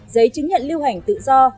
giấy chứng nhận lưu hành tự do